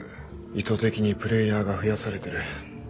意図的にプレイヤーが増やされてる。